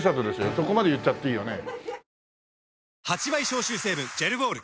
そこまで言っちゃっていいよね？